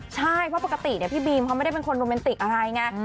ใช่เพราะปกติพี่บีมเขาไม่ได้เป็นคนโรแมนติกอะไรไง